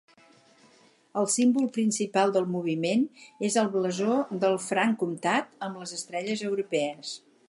El símbol principal del moviment és el blasó del Franc comtat amb les estrelles europees.